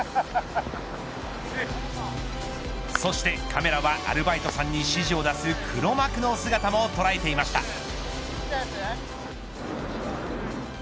そしてカメラはアルバイトさんに指示を出す黒幕の姿も捉えていました。